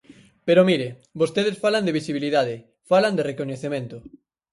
Pero mire, vostedes falan de visibilidade, falan de recoñecemento.